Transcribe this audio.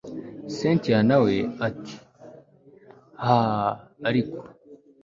cyntia nawe ati haha ariko